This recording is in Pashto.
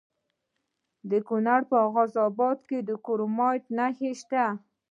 د کونړ په غازي اباد کې د کرومایټ نښې شته.